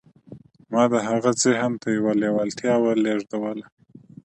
ما د هغه ذهن ته يوه لېوالتیا ولېږدوله.